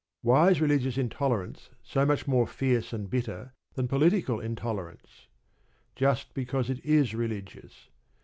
Why is religious intolerance so much more fierce and bitter than political intolerance? Just because it is religious.